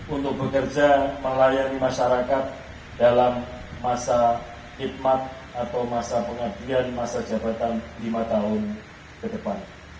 untuk bekerja melayani masyarakat dalam masa hikmat atau masa pengabdian masa jabatan lima tahun ke depan